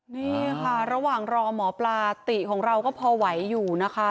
นี่ค่ะระหว่างรอหมอปลาติของเราก็พอไหวอยู่นะคะ